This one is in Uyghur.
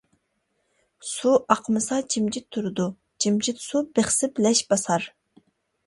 سۇ ئاقمىسا جىمجىت تۇرىدۇ جىمجىت سۇ بىخسىپ لەش باسار.